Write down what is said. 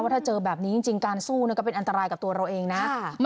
ถ้าเจอแบบนี้จริงการสู้ก็เป็นอันตรายกับตัวเราเองนะ